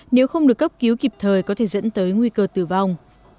nếu không được cấp cứu kịp thời có thể dẫn tới nguy cơ tử vong